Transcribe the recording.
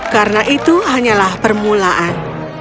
karena itu hanyalah permulaan